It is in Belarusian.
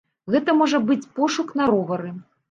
Гэта можа быць пошук на ровары.